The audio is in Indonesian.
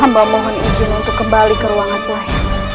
amba mohon izin untuk kembali ke ruangan pelayan